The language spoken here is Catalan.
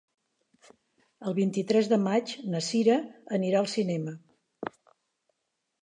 El vint-i-tres de maig na Cira anirà al cinema.